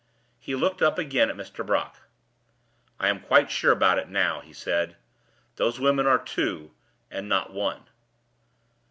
He looked up again at Mr. Brock. "I am quite sure about it now," he said. "Those women are two, and not one."